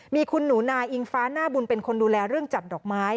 มีคุณหนูนาอิงฟ้าหน้าบุญเป็นคนดูแลเรื่องจัดดอกไม้